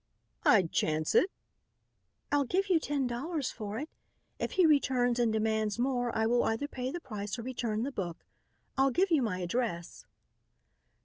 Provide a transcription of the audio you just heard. "I'd chance it." "I'll give you ten dollars for it. If he returns and demands more, I will either pay the price or return the book. I'll give you my address."